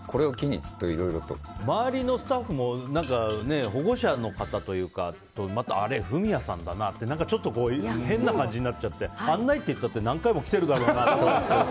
周りのスタッフも保護者の方というかあれ、フミヤさんだなって何かちょっと変な感じになっちゃって案内って言ったって何回も来てるだろうなって。